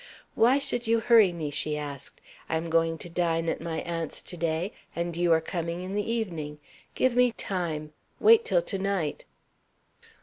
"Why should you hurry me?" she asked. "I am going to dine at my aunt's to day, and you are coming in the evening. Give me time! Wait till to night."